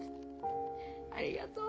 「ありがとう」。